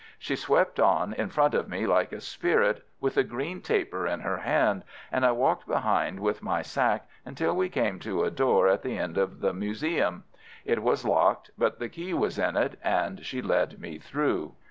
She swept on in front of me like a spirit, with the green taper in her hand, and I walked behind with my sack until we came to a door at the end of this museum. It was locked, but the key was in it, and she led me through.